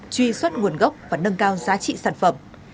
truy xuất nguồn gốc và nâng cao giá trị sản phẩm